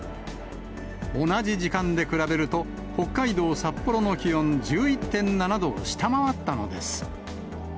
同じ時間で比べると、北海道札幌の気温１１．７度を下回ったのです。